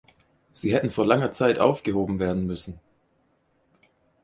Sie hätten vor langer Zeit aufgehoben werden müssen.